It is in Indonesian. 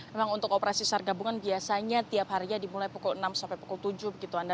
memang untuk operasi sar gabungan biasanya tiap harinya dimulai pukul enam sampai pukul tujuh begitu anda